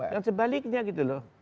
yang sebaliknya gitu loh